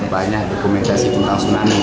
banyak dokumentasi tentang tsunami